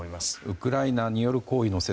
ウクライナによる行為の説